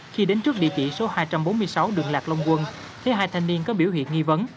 khi đến trước địa chỉ số hai trăm bốn mươi sáu đường lạc long quân thấy hai thanh niên có biểu hiện nghi vấn